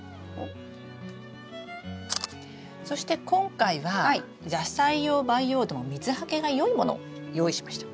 そして今回は野菜用培養土を水はけがよいものを用意しました。